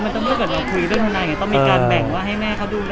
ใช่หรือว่ามันจะเบื่อกับเราคุยเรื่องนานไง